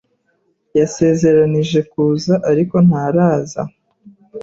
Yasezeranije kuza, ariko ntaraza.